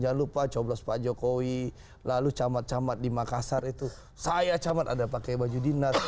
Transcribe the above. jangan lupa coblos pak jokowi lalu camat camat di makassar itu saya camat ada pakai baju dinas